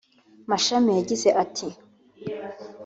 Mashami yagize ati